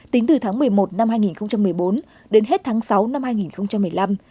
tính từ tháng một mươi một năm hai nghìn một mươi bốn đến hết tháng sáu năm hai nghìn một mươi năm